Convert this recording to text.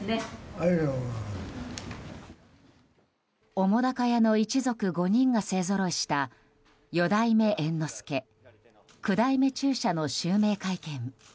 澤瀉屋の一族５人が勢ぞろいした四代目猿之助九代目中車の襲名会見。